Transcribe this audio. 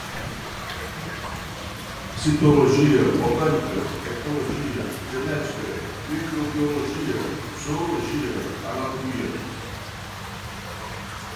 citologia, botânica, ecologia, genética, microbiologia, zoologia, anatomia